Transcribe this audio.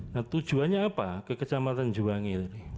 nah tujuannya apa ke kecamatan juwangil